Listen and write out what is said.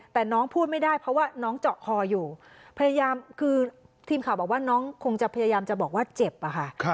แต่น้องพูดไม่ได้เพราะว่าน้องเจาะคออยู่พยายามคือทีมข่าวบอกว่าน้องคงจะพยายามจะบอกว่าเจ็บอะค่ะ